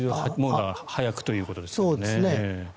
早くということですね。